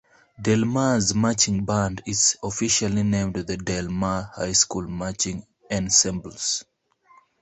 Del Mar's marching band is officially named the Del Mar High School Marching Ensembles.